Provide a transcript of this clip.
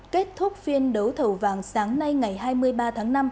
kết thúc phiên đấu thầu vàng sáng nay ngày hai mươi ba tháng năm